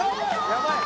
やばい！